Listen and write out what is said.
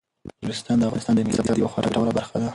نورستان د افغانستان د ملي اقتصاد یوه خورا ګټوره برخه ده.